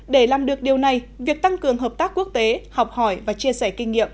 để làm được điều này việc tăng cường hợp tác quốc tế học hỏi và chia sẻ kinh nghiệm